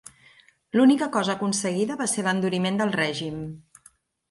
L'única cosa aconseguida va ser l'enduriment del règim.